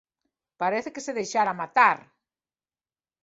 parece que se deixara matar.